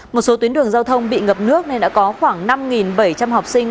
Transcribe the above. một số tuyến đường giao thông bị ngập nước nên đã có khoảng năm bảy trăm linh học sinh